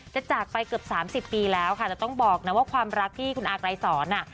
จากไปเกือบ๓๐ปีแล้วค่ะแต่ต้องบอกนะว่าความรักที่คุณอาไกรสอนอ่ะ